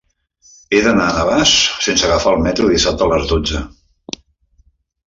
He d'anar a Navàs sense agafar el metro dissabte a les dotze.